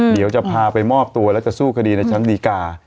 เดี๋ยวจะพาไปมอบตัวแล้วจะสู้คดีในชั้นดีกา